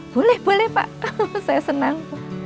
boleh boleh pak kalau saya senang